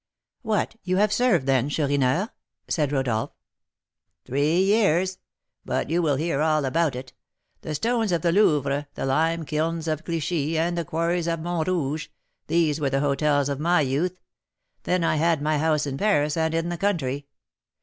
"What, you have served, then, Chourineur?" said Rodolph. "Three years; but you will hear all about it: the stones of the Louvre, the lime kilns of Clichy, and the quarries of Montrouge, these were the hôtels of my youth. Then I had my house in Paris and in the country.